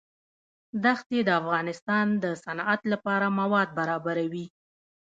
دښتې د افغانستان د صنعت لپاره مواد برابروي.